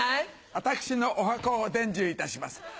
私のおはこを伝授いたします。